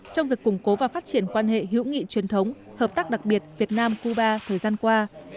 trong việc củng cố và phát triển quan hệ hữu nghị truyền thống hợp tác đặc biệt việt nam cuba thời gian qua